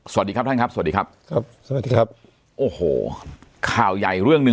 สวัสดีครับท่านครับสวัสดีครับครับสวัสดีครับโอ้โหข่าวใหญ่เรื่องหนึ่ง